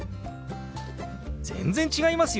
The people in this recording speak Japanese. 全然違いますよね！